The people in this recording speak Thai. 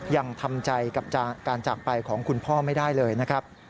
ยังทำใจกับการจากไปของคุณพ่อไม่ได้เลยนะครับ